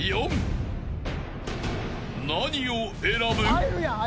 ［何を選ぶ？］